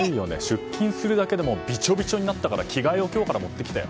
出勤するだけもびちょびちょになったから着替えを今日から持ってきたよ。